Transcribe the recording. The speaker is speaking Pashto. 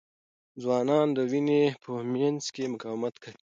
ځوانان د وینې په مینځ کې مقاومت کوي.